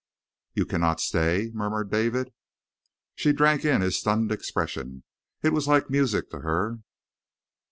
"You cannot stay?" murmured David. She drank in his stunned expression. It was like music to her.